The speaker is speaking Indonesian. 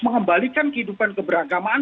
mengembalikan kehidupan beragama